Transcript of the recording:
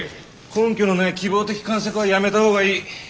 根拠のない希望的観測はやめた方がいい。